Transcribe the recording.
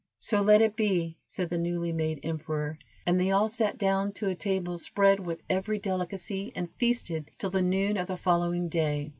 "So let it be," said the newly made emperor; and they all sat down to a table spread with every delicacy, and feasted till the noon of the following day.